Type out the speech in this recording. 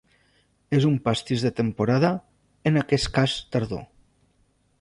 És un pastís de temporada, en aquest cas tardor.